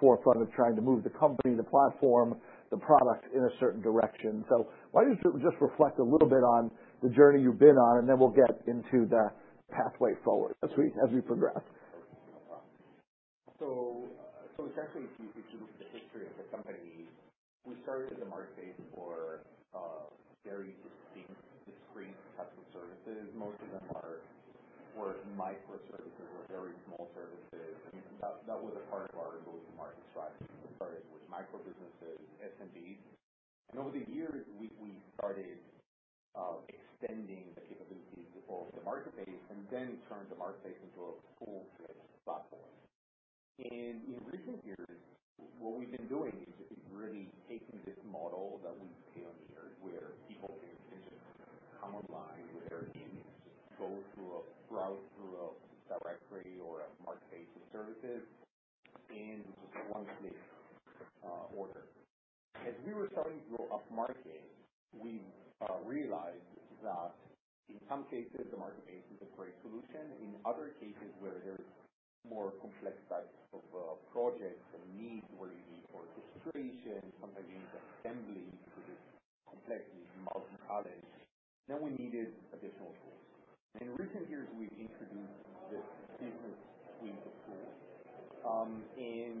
forefront of trying to move the company, the platform, the product in a certain direction. So why don't you just reflect a little bit on the journey you've been on, and then we'll get into the pathway forward as we progress? So essentially, if you look at the history of the company, we started as a marketplace for very distinct, discrete customer services. Most of them were micro-services or very small services. And that was a part of our go-to-market strategy. Started with micro-businesses, SMBs. And over the years, we started extending the capabilities of the marketplace and then turned the marketplace into a full-fledged platform. And in recent years, what we've been doing is really taking this model that we pioneered where people can just come online with their name, just go through a browse, through a directory or a marketplace of services, and just want to place an order. As we were starting to go upmarket, we realized that in some cases, the marketplace is a great solution. In other cases, where there's more complex types of projects and needs where you need orchestration, sometimes you need assembly because it's complex and multi-talent, then we needed additional tools, and in recent years,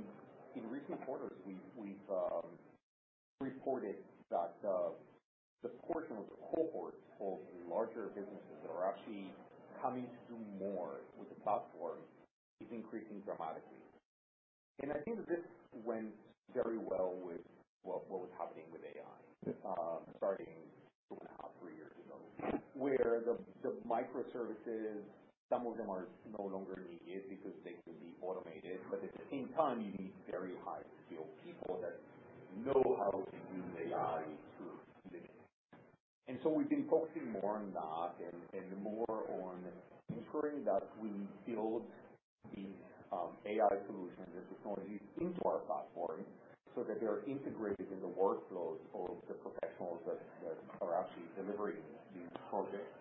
we've introduced this business suite of tools, and in recent quarters, we've reported that the portion of the cohort of larger businesses that are actually coming to do more with the platform is increasing dramatically, and I think that this went very well with what was happening with AI starting two and a half, three years ago, where the microservices, some of them are no longer needed because they can be automated, but at the same time, you need very high-skilled people that know how to use AI to do things. And so we've been focusing more on that and more on ensuring that we build these AI solutions, these technologies into our platform so that they're integrated in the workflows of the professionals that are actually delivering these projects.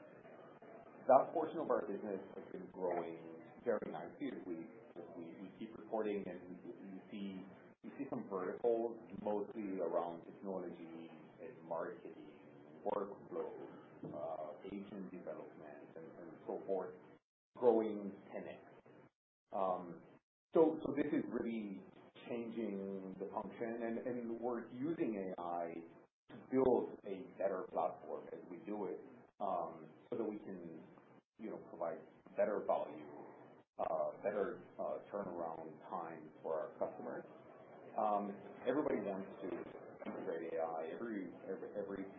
That portion of our business has been growing very nicely. We keep reporting, and you see some verticals mostly around technology and marketing and workflows, agent development, and so forth, growing 10x. So this is really changing the function. And we're using AI to build a better platform as we do it so that we can provide better value, better turnaround time for our customers. Everybody wants to integrate AI. Every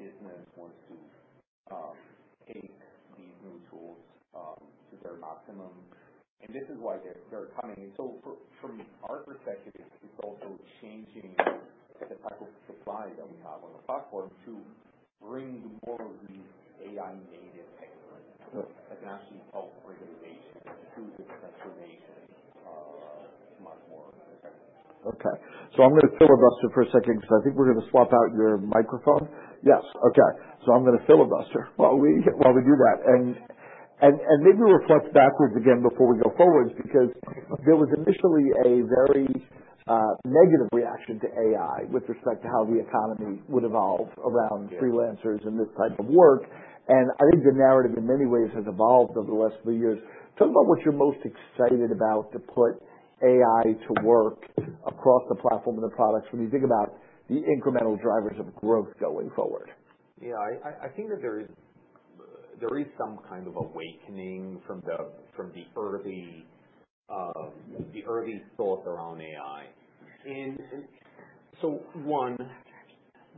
business wants to take these new tools to their maximum. And this is why they're coming. So from our perspective, it's also changing the type of supply that we have on the platform to bring more of these AI-native techniques that can actually help organizations to the transformation much more effectively. Okay. So I'm going to filibuster for a second because I think we're going to swap out your microphone. Yes. Okay. So I'm going to filibuster while we do that. And maybe reflect backwards again before we go forwards because there was initially a very negative reaction to AI with respect to how the economy would evolve around freelancers and this type of work. And I think the narrative in many ways has evolved over the last few years. Tell me about what you're most excited about to put AI to work across the platform and the products when you think about the incremental drivers of growth going forward. Yeah. I think that there is some kind of awakening from the early thoughts around AI. And so one,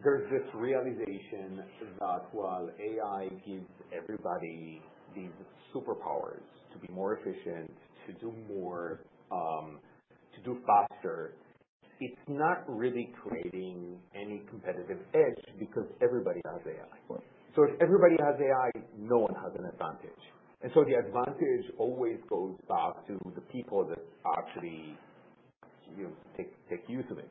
there's this realization that while AI gives everybody these superpowers to be more efficient, to do more, to do faster, it's not really creating any competitive edge because everybody has AI. So if everybody has AI, no one has an advantage. And so the advantage always goes back to the people that actually take use of it.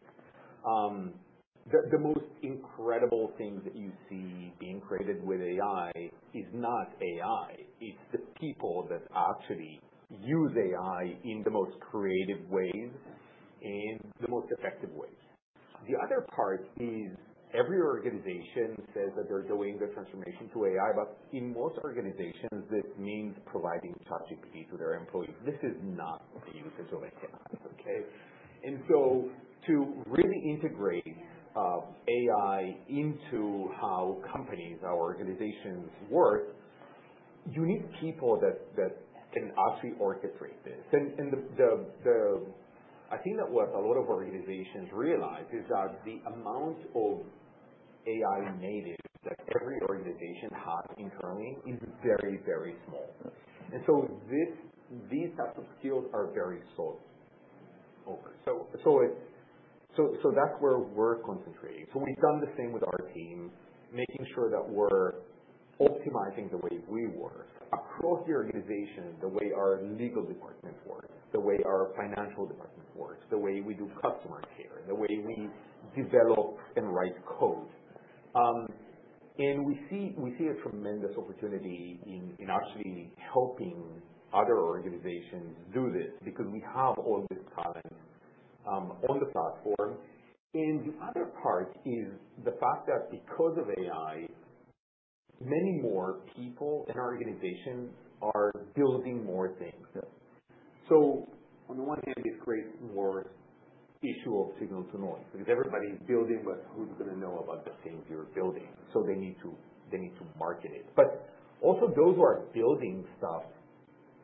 The most incredible thing that you see being created with AI is not AI. It's the people that actually use AI in the most creative ways and the most effective ways. The other part is every organization says that they're doing the transformation to AI, but in most organizations, this means providing ChatGPT to their employees. This is not the usage of AI, okay? And so to really integrate AI into how companies, how organizations work, you need people that can actually orchestrate this. And I think that what a lot of organizations realize is that the amount of AI natives that every organization has internally is very, very small. And so these types of skills are very sought. So that's where we're concentrating. So we've done the same with our team, making sure that we're optimizing the way we work across the organization, the way our legal department works, the way our financial department works, the way we do customer care, the way we develop and write code. And we see a tremendous opportunity in actually helping other organizations do this because we have all this talent on the platform. And the other part is the fact that because of AI, many more people in our organization are building more things. So on the one hand, it creates more issue of signal to noise because everybody's building but who's going to know about the things you're building? So they need to market it. But also those who are building stuff,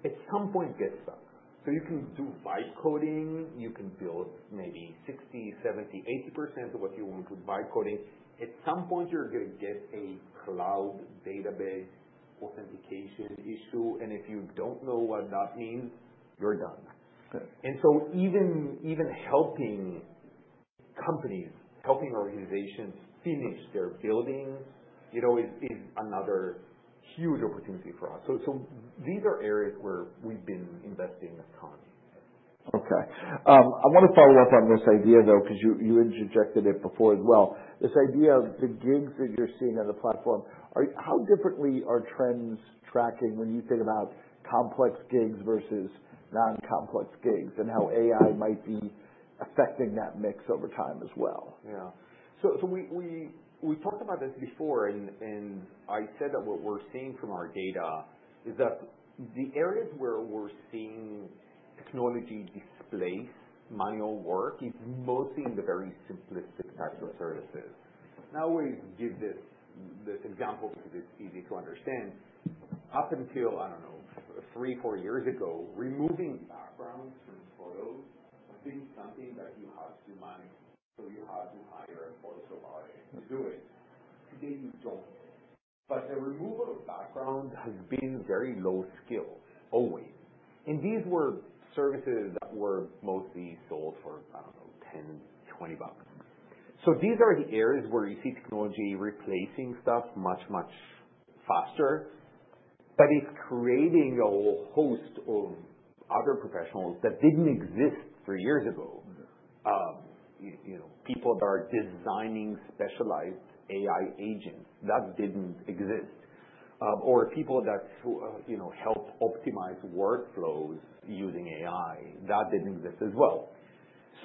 at some point, get stuck. So you can do no-code. You can build maybe 60%, 70%, 80% of what you want with no-code. At some point, you're going to get a cloud database authentication issue. And if you don't know what that means, you're done. And so even helping companies, helping organizations finish their builds is another huge opportunity for us. So these are areas where we've been investing a ton. Okay. I want to follow up on this idea, though, because you interjected it before as well. This idea of the gigs that you're seeing on the platform, how differently are trends tracking when you think about complex gigs versus non-complex gigs and how AI might be affecting that mix over time as well? Yeah, so we talked about this before, and I said that what we're seeing from our data is that the areas where we're seeing technology displace manual work is mostly in the very simplistic types of services. Now, we give this example because it's easy to understand. Up until, I don't know, three, four years ago, removing backgrounds from photos has been something that you had to manage, so you had to hire a VA to do it. Today, you don't, but the removal of backgrounds has been very low skill always, and these were services that were mostly sold for, I don't know, $10, $20 bucks, so these are the areas where you see technology replacing stuff much, much faster, but it's creating a whole host of other professionals that didn't exist three years ago. People that are designing specialized AI agents that didn't exist, or people that help optimize workflows using AI that didn't exist as well.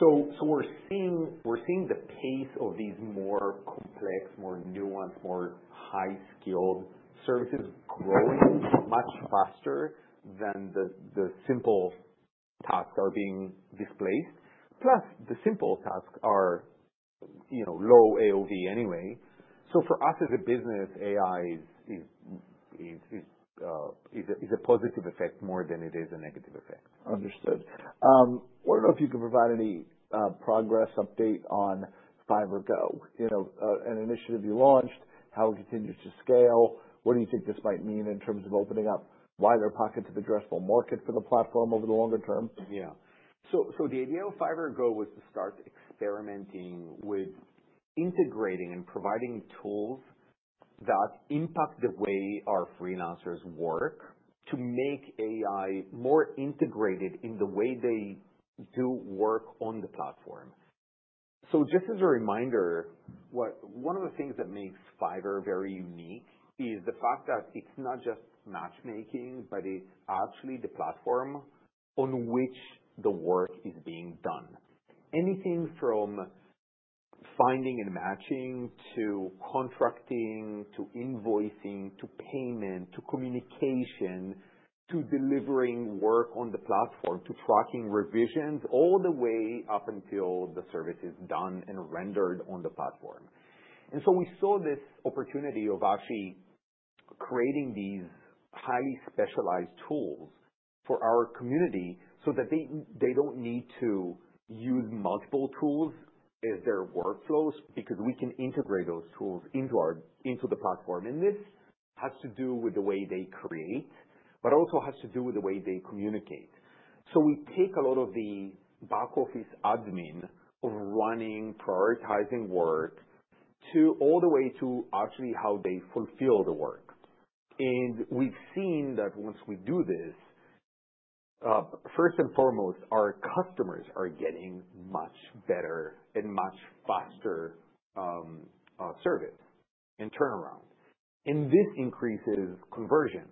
So we're seeing the pace of these more complex, more nuanced, more high-skilled services growing much faster than the simple tasks are being displaced. Plus, the simple tasks are low AOV anyway. So for us as a business, AI is a positive effect more than it is a negative effect. Understood. I wonder if you can provide any progress update on Fiverr Go, an initiative you launched, how it continues to scale? What do you think this might mean in terms of opening up wider pockets of addressable market for the platform over the longer term? Yeah. So the idea of Fiverr Go was to start experimenting with integrating and providing tools that impact the way our freelancers work to make AI more integrated in the way they do work on the platform. So just as a reminder, one of the things that makes Fiverr very unique is the fact that it's not just matchmaking, but it's actually the platform on which the work is being done. Anything from finding and matching to contracting, to invoicing, to payment, to communication, to delivering work on the platform, to tracking revisions all the way up until the service is done and rendered on the platform, and so we saw this opportunity of actually creating these highly specialized tools for our community so that they don't need to use multiple tools as their workflows because we can integrate those tools into the platform. This has to do with the way they create, but also has to do with the way they communicate. We take a lot of the back office admin of running, prioritizing work all the way to actually how they fulfill the work. We've seen that once we do this, first and foremost, our customers are getting much better and much faster service and turnaround. This increases conversion.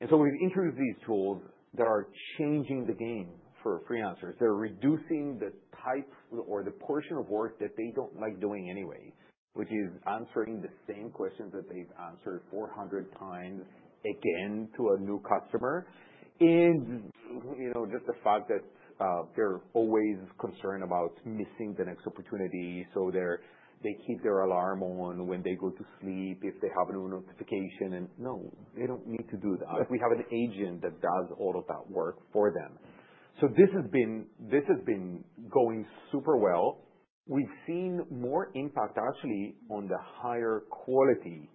We've introduced these tools that are changing the game for freelancers. They're reducing the type or the portion of work that they don't like doing anyway, which is answering the same questions that they've answered 400 times again to a new customer. Just the fact that they're always concerned about missing the next opportunity. They keep their alarm on when they go to sleep if they have a new notification. And no, they don't need to do that. We have an agent that does all of that work for them. So this has been going super well. We've seen more impact actually on the higher quality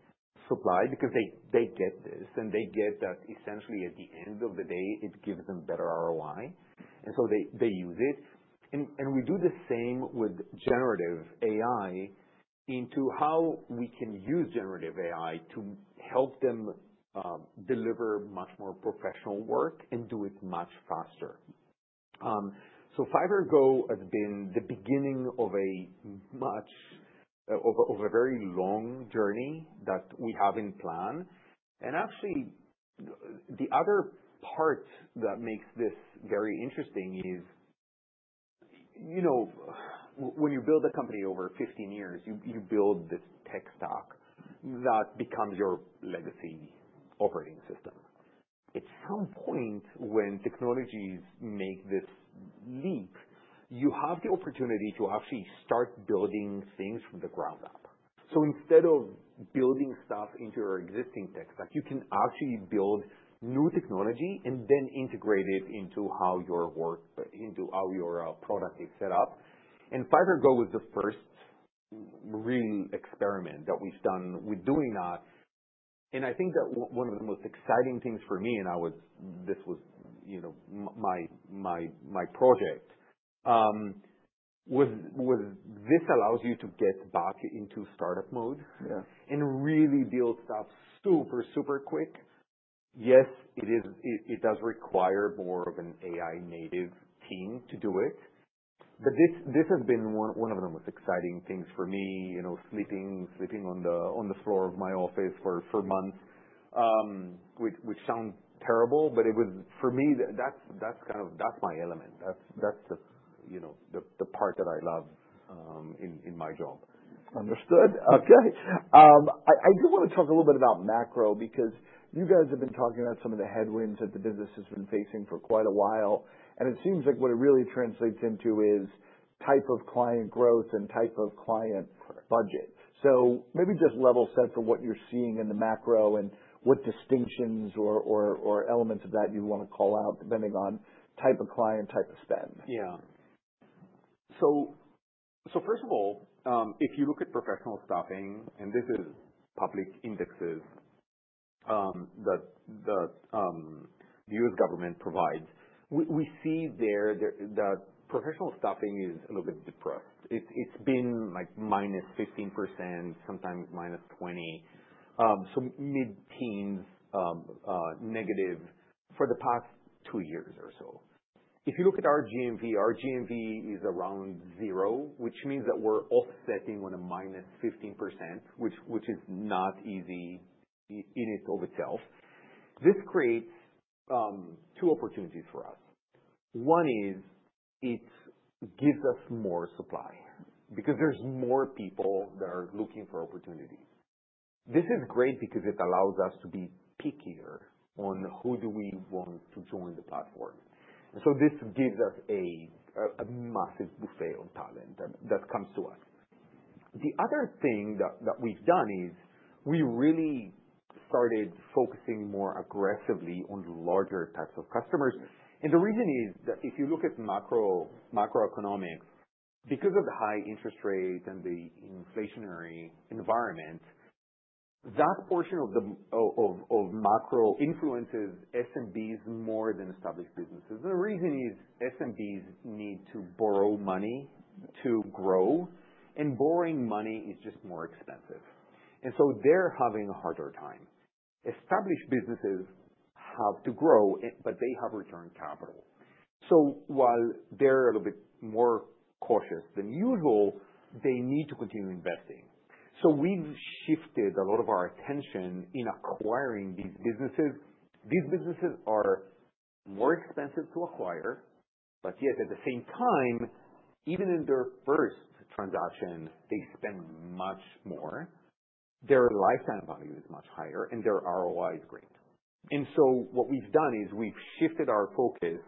supply because they get this. And they get that, essentially, at the end of the day, it gives them better ROI. And so they use it. And we do the same with generative AI into how we can use generative AI to help them deliver much more professional work and do it much faster. So Fiverr Go has been the beginning of a very long journey that we have in plan. And actually, the other part that makes this very interesting is when you build a company over 15 years, you build this tech stack that becomes your legacy operating system. At some point, when technologies make this leap, you have the opportunity to actually start building things from the ground up, so instead of building stuff into your existing tech stack, you can actually build new technology and then integrate it into how you work, into how your product is set up, and Fiverr Go was the first real experiment that we've done with doing that. And I think that one of the most exciting things for me, and this was my project, was this allows you to get back into startup mode and really build stuff super, super quick. Yes, it does require more of an AI-native team to do it, but this has been one of the most exciting things for me, sleeping on the floor of my office for months, which sounds terrible, but for me, that's kind of my element. That's the part that I love in my job. Understood. Okay. I do want to talk a little bit about macro because you guys have been talking about some of the headwinds that the business has been facing for quite a while. And it seems like what it really translates into is type of client growth and type of client budget. So maybe just level set for what you're seeing in the macro and what distinctions or elements of that you want to call out depending on type of client, type of spend. Yeah. So first of all, if you look at professional staffing, and this is public indexes that the U.S. government provides, we see there that professional staffing is a little bit depressed. It's been minus 15%, sometimes minus 20%. So mid-teens, negative for the past two years or so. If you look at our GMV, our GMV is around zero, which means that we're offsetting on a minus 15%, which is not easy in it of itself. This creates two opportunities for us. One is it gives us more supply because there's more people that are looking for opportunities. This is great because it allows us to be pickier on who do we want to join the platform. And so this gives us a massive buffet of talent that comes to us. The other thing that we've done is we really started focusing more aggressively on larger types of customers. And the reason is that if you look at macroeconomics, because of the high interest rate and the inflationary environment, that portion of macro influences SMBs more than established businesses. And the reason is SMBs need to borrow money to grow. And borrowing money is just more expensive. And so they're having a harder time. Established businesses have to grow, but they have returned capital. So while they're a little bit more cautious than usual, they need to continue investing. So we've shifted a lot of our attention in acquiring these businesses. These businesses are more expensive to acquire. But yet, at the same time, even in their first transaction, they spend much more. Their lifetime value is much higher, and their ROI is great. And so what we've done is we've shifted our focus.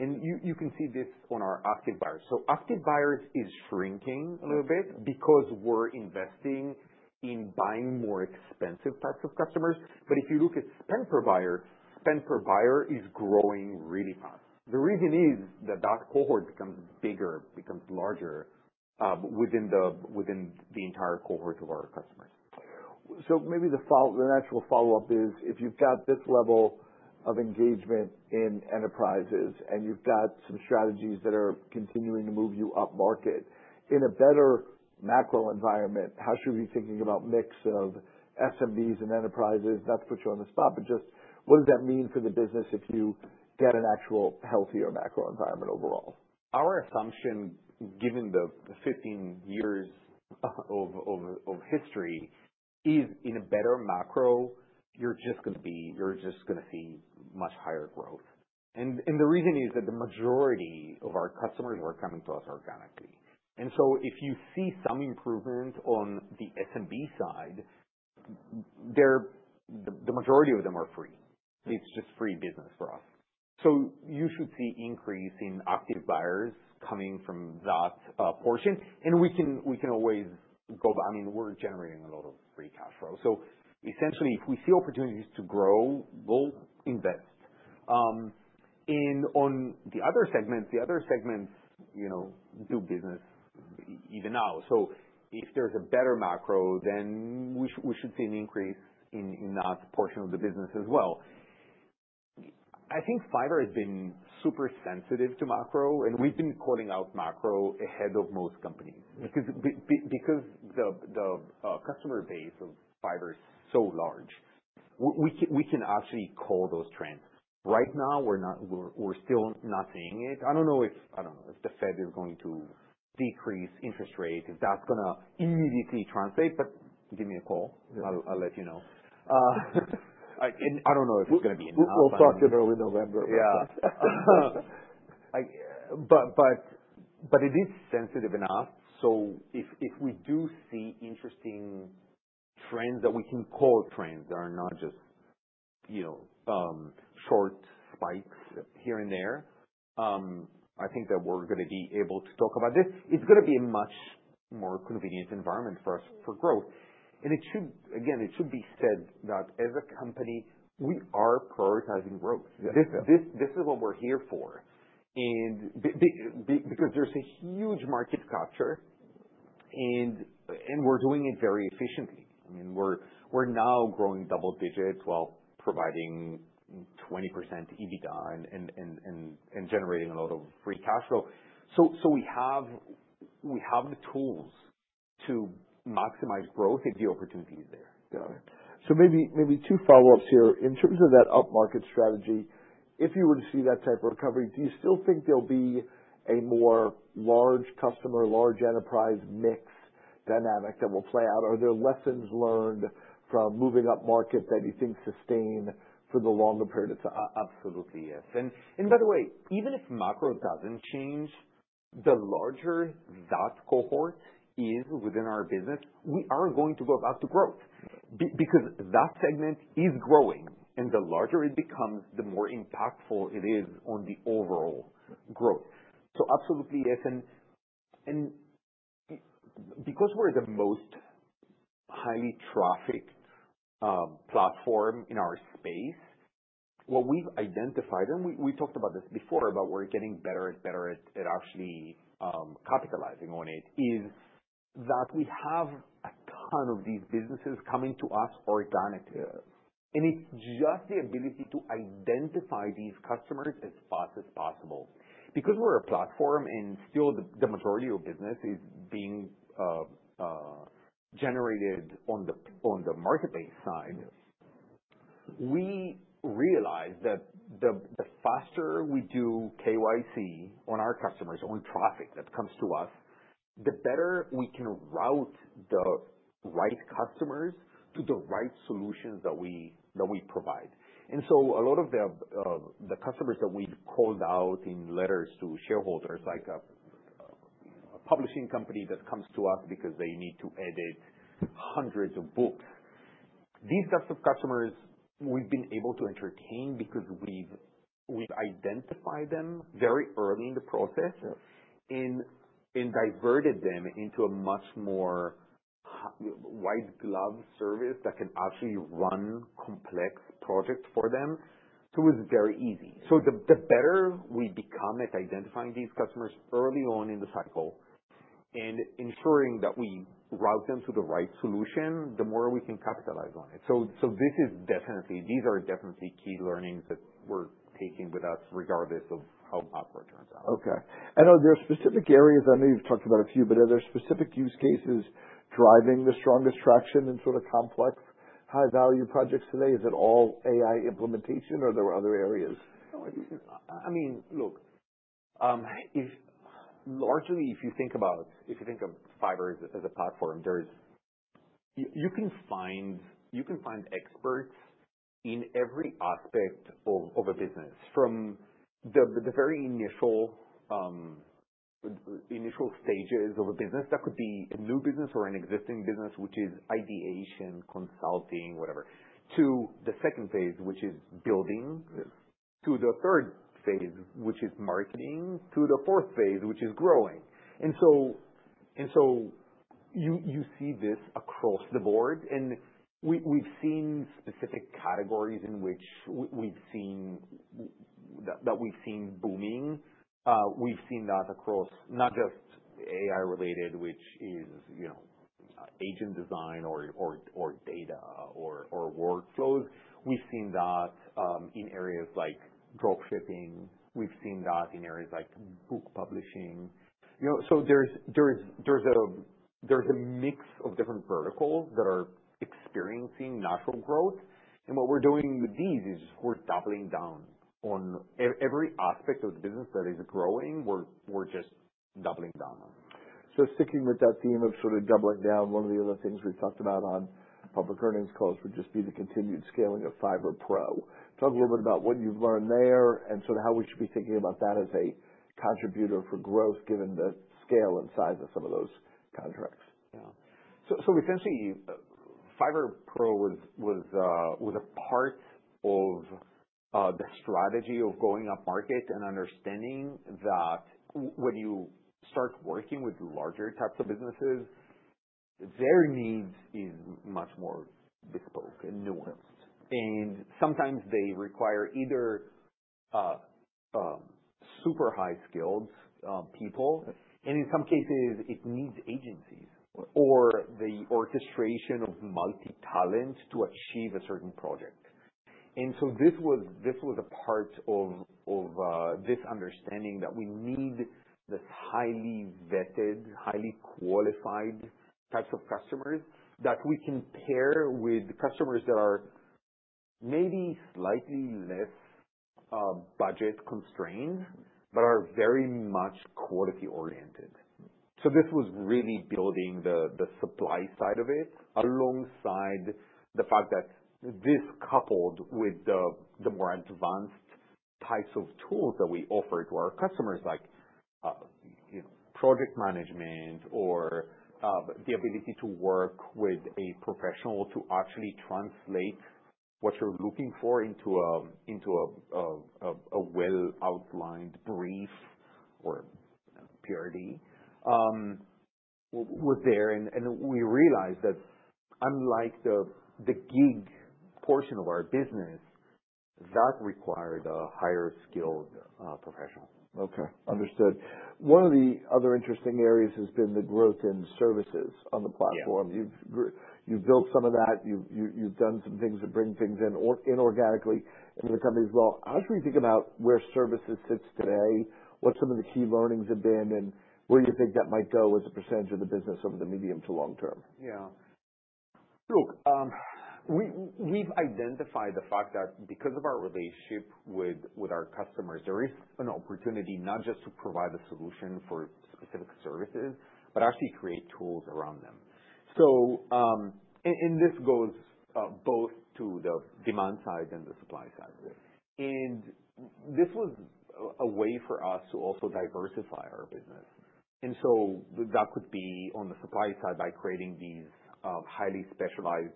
And you can see this on our active buyers. Active buyers is shrinking a little bit because we're investing in buying more expensive types of customers. If you look at spend per buyer, spend per buyer is growing really fast. The reason is that that cohort becomes bigger, becomes larger within the entire cohort of our customers. So maybe the natural follow-up is if you've got this level of engagement in enterprises and you've got some strategies that are continuing to move you up market in a better macro environment, how should we be thinking about mix of SMBs and enterprises? Not to put you on the spot, but just what does that mean for the business if you get an actual healthier macro environment overall? Our assumption, given the 15 years of history, is in a better macro, you're just going to see much higher growth. And the reason is that the majority of our customers are coming to us organically. And so if you see some improvement on the SMB side, the majority of them are free. It's just free business for us. So you should see an increase in active buyers coming from that portion. And we can always go buy, I mean, we're generating a lot of free cash flow. So essentially, if we see opportunities to grow, we'll invest. And on the other segments, the other segments do business even now. So if there's a better macro, then we should see an increase in that portion of the business as well. I think Fiverr has been super sensitive to macro, and we've been calling out macro ahead of most companies because the customer base of Fiverr is so large. We can actually call those trends. Right now, we're still not seeing it. I don't know if the Fed is going to decrease interest rates. Is that going to immediately translate? But give me a call. I'll let you know, and I don't know if it's going to be enough. We'll talk in early November about that. But it is sensitive enough. So if we do see interesting trends that we can call trends that are not just short spikes here and there, I think that we're going to be able to talk about this. It's going to be a much more convenient environment for us for growth. And again, it should be said that as a company, we are prioritizing growth. This is what we're here for because there's a huge market capture, and we're doing it very efficiently. I mean, we're now growing double digits while providing 20% EBITDA and generating a lot of free cash flow. So we have the tools to maximize growth if the opportunity is there. Got it. So maybe two follow-ups here. In terms of that upmarket strategy, if you were to see that type of recovery, do you still think there'll be a more large customer, large enterprise mix dynamic that will play out? Are there lessons learned from moving up market that you think sustain for the longer period of time? Absolutely, yes, and by the way, even if macro doesn't change, the larger that cohort is within our business, we are going to go back to growth because that segment is growing, and the larger it becomes, the more impactful it is on the overall growth, so absolutely, yes, and because we're the most highly trafficked platform in our space, what we've identified, and we talked about this before about we're getting better and better at actually capitalizing on it, is that we have a ton of these businesses coming to us organically, and it's just the ability to identify these customers as fast as possible. Because we're a platform and still the majority of business is being generated on the marketplace side, we realize that the faster we do KYC on our customers, on traffic that comes to us, the better we can route the right customers to the right solutions that we provide. And so a lot of the customers that we've called out in letters to shareholders, like a publishing company that comes to us because they need to edit hundreds of books, these types of customers we've been able to entertain because we've identified them very early in the process and diverted them into a much more white-glove service that can actually run complex projects for them. So it's very easy. So the better we become at identifying these customers early on in the cycle and ensuring that we route them to the right solution, the more we can capitalize on it. So these are definitely key learnings that we're taking with us regardless of how macro turns out. Okay. And are there specific areas? I know you've talked about a few, but are there specific use cases driving the strongest traction in sort of complex high-value projects today? Is it all AI implementation, or are there other areas? I mean, look, largely if you think of Fiverr as a platform, you can find experts in every aspect of a business, from the very initial stages of a business. That could be a new business or an existing business, which is ideation, consulting, whatever, to the second phase, which is building, to the third phase, which is marketing, to the fourth phase, which is growing. And so you see this across the board. And we've seen specific categories in which we've seen booming. We've seen that across not just AI-related, which is agent design or data or workflows. We've seen that in areas like dropshipping. We've seen that in areas like book publishing. So there's a mix of different verticals that are experiencing natural growth. What we're doing with these is we're doubling down on every aspect of the business that is growing. We're just doubling down on it. So sticking with that theme of sort of doubling down, one of the other things we've talked about on public earnings calls would just be the continued scaling of Fiverr Pro. Talk a little bit about what you've learned there and sort of how we should be thinking about that as a contributor for growth, given the scale and size of some of those contracts. Yeah. So essentially, Fiverr Pro was a part of the strategy of going up market and understanding that when you start working with larger types of businesses, their needs are much more bespoke and nuanced. And sometimes they require either super high-skilled people, and in some cases, it needs agencies or the orchestration of multi-talent to achieve a certain project. And so this was a part of this understanding that we need this highly vetted, highly qualified types of customers that we can pair with customers that are maybe slightly less budget constrained but are very much quality-oriented. This was really building the supply side of it alongside the fact that this coupled with the more advanced types of tools that we offer to our customers, like project management or the ability to work with a professional to actually translate what you're looking for into a well-outlined brief or PRD, was there. We realized that unlike the gig portion of our business, that required a higher-skilled professional. Okay. Understood. One of the other interesting areas has been the growth in services on the platform. You've built some of that. You've done some things to bring things in organically into the company as well. How should we think about where services sit today? What some of the key learnings have been and where you think that might go as a percentage of the business over the medium to long term? Yeah. Look, we've identified the fact that because of our relationship with our customers, there is an opportunity not just to provide a solution for specific services but actually create tools around them, and this goes both to the demand side and the supply side, and this was a way for us to also diversify our business, and so that could be on the supply side by creating these highly specialized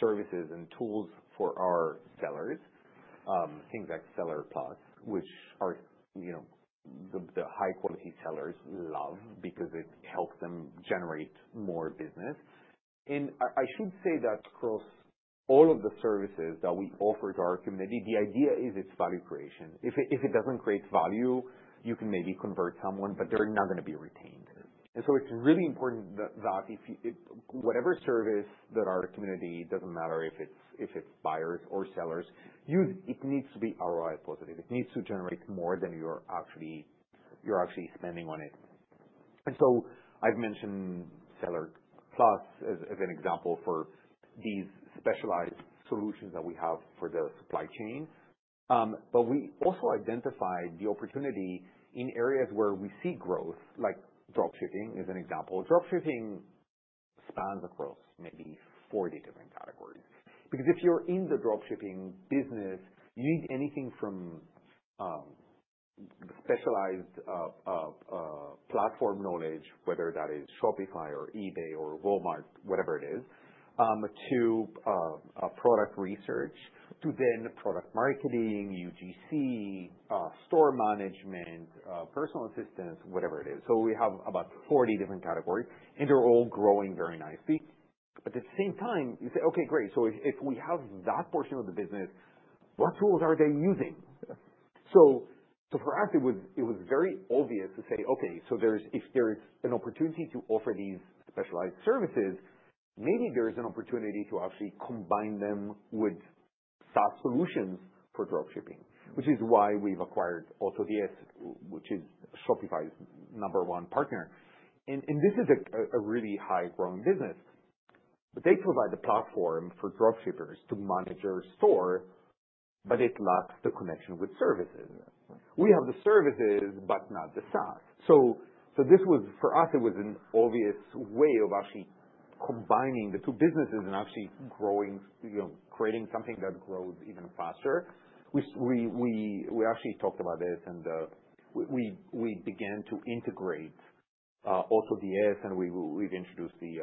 services and tools for our sellers, things like Seller Plus, which the high-quality sellers love because it helps them generate more business, and I should say that across all of the services that we offer to our community, the idea is it's value creation. If it doesn't create value, you can maybe convert someone, but they're not going to be retained. It's really important that whatever service that our community doesn't matter if it's buyers or sellers, it needs to be ROI positive. It needs to generate more than you're actually spending on it. I've mentioned Seller Plus as an example for these specialized solutions that we have for the supply chain. We also identified the opportunity in areas where we see growth, like dropshipping as an example. Dropshipping spans across maybe 40 different categories. Because if you're in the dropshipping business, you need anything from specialized platform knowledge, whether that is Shopify or eBay or Walmart, whatever it is, to product research, to then product marketing, UGC, store management, personal assistance, whatever it is. We have about 40 different categories, and they're all growing very nicely. But at the same time, you say, "Okay, great. So if we have that portion of the business, what tools are they using?" So for us, it was very obvious to say, "Okay, so if there's an opportunity to offer these specialized services, maybe there's an opportunity to actually combine them with SaaS solutions for dropshipping," which is why we've acquired AutoDS, which is Shopify's number one partner. And this is a really high-growing business. They provide the platform for dropshippers to manage their store, but it lacks the connection with services. We have the services but not the SaaS. So for us, it was an obvious way of actually combining the two businesses and actually creating something that grows even faster. We actually talked about this, and we began to integrate AutoDS, and we've introduced the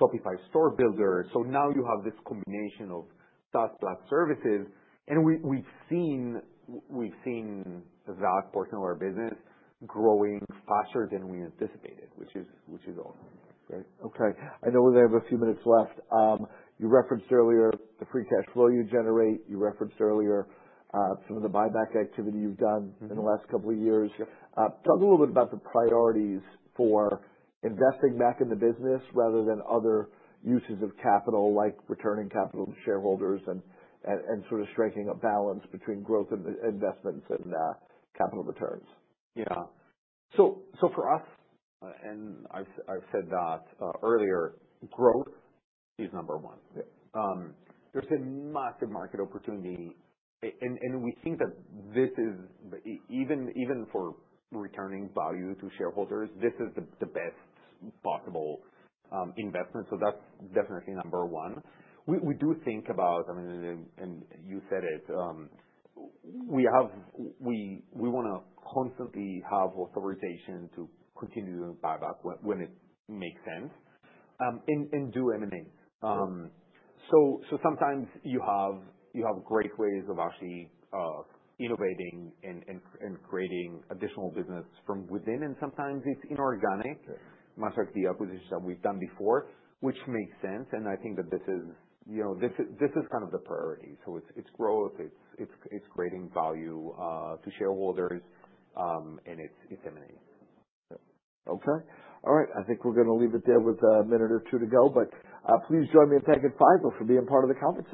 Shopify store builder. So now you have this combination of SaaS plus services, and we've seen that portion of our business growing faster than we anticipated, which is awesome. Great. Okay. I know we only have a few minutes left. You referenced earlier the free cash flow you generate. You referenced earlier some of the buyback activity you've done in the last couple of years. Talk a little bit about the priorities for investing back in the business rather than other uses of capital, like returning capital to shareholders and sort of striking a balance between growth and investments and capital returns. Yeah. So for us, and I've said that earlier, growth is number one. There's a massive market opportunity, and we think that this is even for returning value to shareholders, this is the best possible investment. So that's definitely number one. We do think about, I mean, and you said it, we want to constantly have authorization to continue buyback when it makes sense and do M&As. So sometimes you have great ways of actually innovating and creating additional business from within, and sometimes it's inorganic, much like the acquisitions that we've done before, which makes sense. And I think that this is kind of the priority. So it's growth. It's creating value to shareholders, and it's M&As. Okay. All right. I think we're going to leave it there with a minute or two to go, but please join me in thanking Fiverr for being part of the conversation.